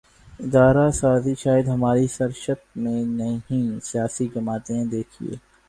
ادارہ سازی شاید ہماری سرشت میں نہیں سیاسی جماعتیں دیکھیے